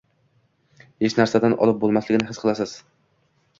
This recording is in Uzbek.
Hech narsadan olib bo‘lmasligini his qilasiz.